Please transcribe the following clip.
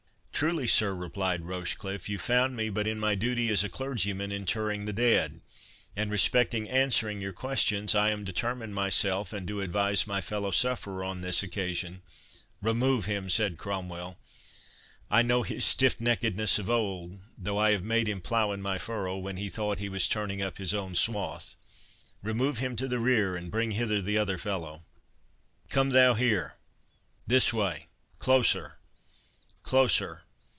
"Truly, sir," replied Rochecliffe, "you found me but in my duty as a clergyman, interring the dead; and respecting answering your questions, I am determined myself, and do advise my fellow sufferer on this occasion"— "Remove him," said Cromwell; "I know his stiffneckedness of old, though I have made him plough in my furrow, when he thought he was turning up his own swathe—Remove him to the rear, and bring hither the other fellow.—Come thou here—this way—closer—closer.